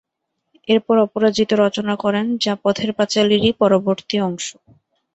এরপর অপরাজিত রচনা করেন যা পথের পাঁচালীরই পরবর্তী অংশ।